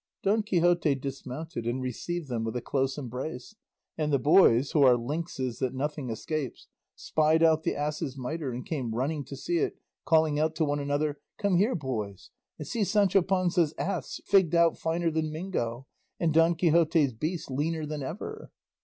Don Quixote dismounted and received them with a close embrace; and the boys, who are lynxes that nothing escapes, spied out the ass's mitre and came running to see it, calling out to one another, "Come here, boys, and see Sancho Panza's ass figged out finer than Mingo, and Don Quixote's beast leaner than ever."